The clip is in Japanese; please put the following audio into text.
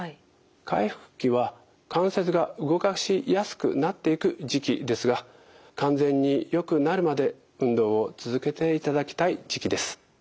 回復期は関節が動かしやすくなっていく時期ですが完全によくなるまで運動を続けていただきたい時期です。